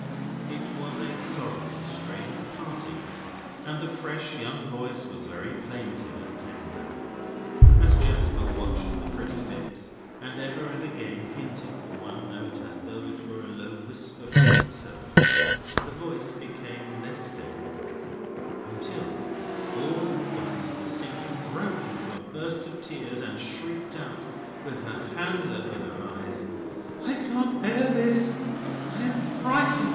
It was a sorrowful strain of parting, and the fresh young voice was very plaintive and tender. As Jasper watched the pretty lips, and ever and again hinted the one note, as though it were a low whisper from himself, the voice became less steady, until all at once the singer broke into a burst of tears, and shrieked out, with her hands over her eyes: "I can't bear this! I am frightened!